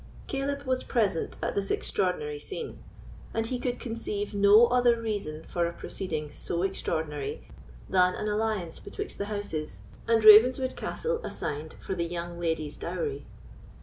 Caleb was present at this extraordinary scene, and he could conceive no other reason for a proceeding so extraordinary than an alliance betwixt the houses, and Ravenswood Castle assigned for the young lady's dowry.